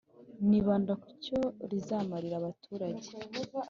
nibanda ku cyo rizamarira abaturage